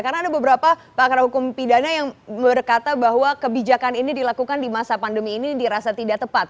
karena ada beberapa pakar hukum pidana yang berkata bahwa kebijakan ini dilakukan di masa pandemi ini dirasa tidak tepat